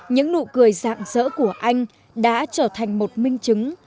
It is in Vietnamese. những nụ cười dạng dỡ của anh đã trở thành một minh chứng